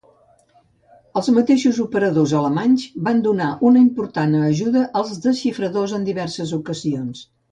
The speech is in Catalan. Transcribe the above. Els mateixos operadors alemanys van donar una important ajuda als desxifradors en diverses ocasions.